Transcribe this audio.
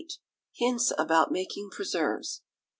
Hints about making Preserves.